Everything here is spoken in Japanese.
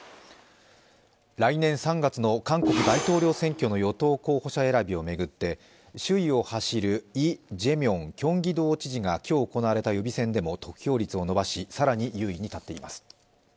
来年３月の韓国大統領選挙の与党候補者選びを巡って首位を走るイ・ジェミョンキョンギド知事が今日行われた予備選でも得票率を伸ばし、更に優位に立っています。